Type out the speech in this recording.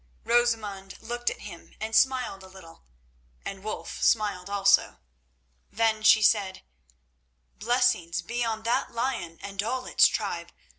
Rosamund looked at him and smiled a little, and Wulf smiled also. Then she said: "Blessings be on that lion and all its tribe!